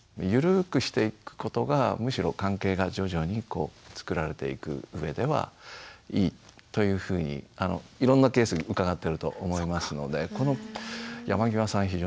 緩くしていくことがむしろ関係が徐々にこうつくられていく上ではいいというふうにいろんなケースうかがってると思いますのでこの山際さん